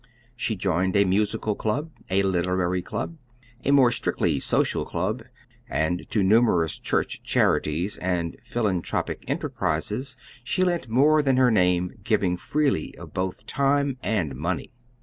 She joined a musical club, a literary club, and a more strictly social club; and to numerous church charities and philanthropic enterprises she lent more than her name, giving freely of both time and money.